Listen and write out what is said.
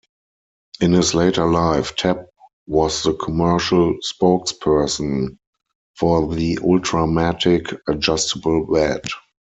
In his later life, Tapp was the commercial spokesperson for the "Ultramatic" adjustable bed.